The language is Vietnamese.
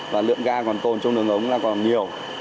và lượng ga còn tồn trong đường ống là còn nhiều